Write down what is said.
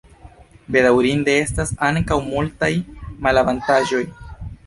Bedaŭrinde estas ankaŭ multaj malavantaĝoj.